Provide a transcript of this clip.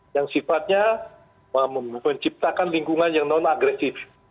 yang sifatnya menciptakan lingkungan yang non agresif